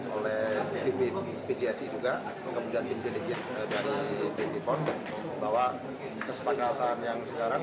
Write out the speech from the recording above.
oleh bgsi juga kemudian tim delegit dari bgpon bahwa kesepakatan yang sekarang